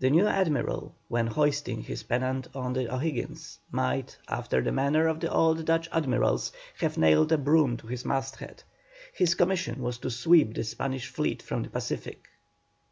The new Admiral when hoisting his pennant on the O'Higgins might, after the manner of the old Dutch admirals, have nailed a broom to his masthead; his commission was to sweep the Spanish fleet from the Pacific.